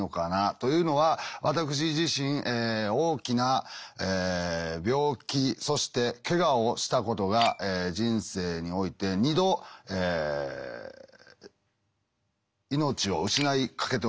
というのは私自身大きな病気そしてケガをしたことが人生において２度命を失いかけております。